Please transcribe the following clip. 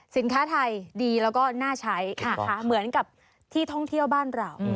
สินค้าไทยดีแล้วก็น่าใช้เหมือนกับที่ท่องเที่ยวบ้านเรา